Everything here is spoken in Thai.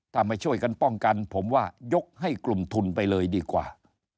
ถ้าไม่ช่วยกันป้องกันผมว่ายกให้กลุ่มทุนไปเลยดีกว่า